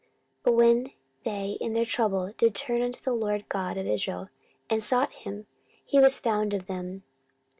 14:015:004 But when they in their trouble did turn unto the LORD God of Israel, and sought him, he was found of them.